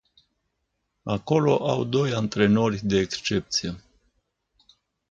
Acolo au doi antrenori de excepție.